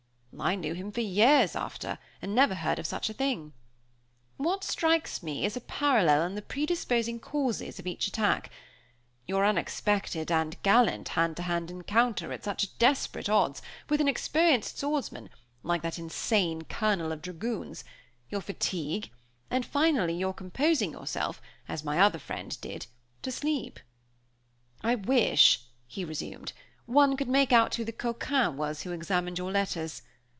"I knew him for years after, and never heard of any such thing. What strikes me is a parallel in the predisposing causes of each attack. Your unexpected and gallant hand to hand encounter, at such desperate odds, with an experienced swordsman, like that insane colonel of dragoons, your fatigue, and, finally, your composing yourself, as my other friend did, to sleep." "I wish," he resumed, "one could make out who the coquin was who examined your letters.